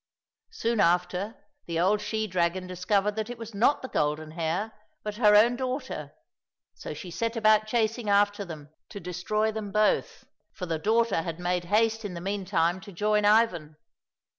Soon after, the old she dragon discovered that it was not the golden hare, but her own daughter, so she set about chasing after them to destroy them both, for the daughter had made haste in the meantime to join Ivan.